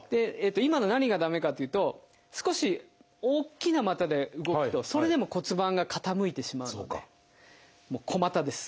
今の何が駄目かっていうと少し大きな股で動くとそれでも骨盤が傾いてしまうのでもう小股です。